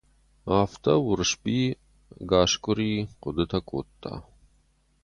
Афтӕ Уырысби ӕгас къуыри хъуыдытӕ кодта.